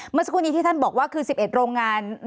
เมื่อสักครู่นี้ที่ท่านบอกว่าคือ๑๑โรงงาน